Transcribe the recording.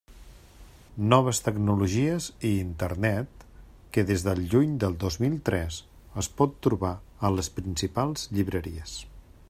Noves tecnologies i Internet, que des del juny de dos mil tres es pot trobar a les principals llibreries.